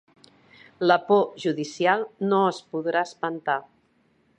La por judicial no es podrà espantar.